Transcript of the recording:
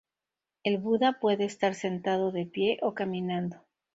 El Buda puede estar sentado, de pie o caminando.